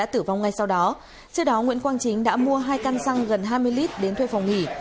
trước đó nguyễn quang chính đã mua hai căn xăng gần hai mươi lit đến thuê phòng nghỉ